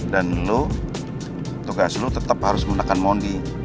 dan lo tugas lo tetap harus menekan mondi